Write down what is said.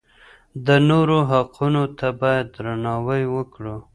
د نورو حقونو ته بايد درناوی وکړو.